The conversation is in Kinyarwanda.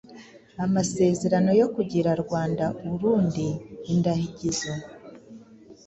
amasezerano yo kugira Rwanda-Urundi indagizo